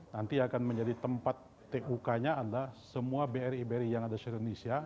nanti akan menjadi tempat tuk nya adalah semua bri bri yang ada di indonesia